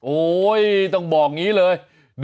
ต้องบอกอย่างนี้เลย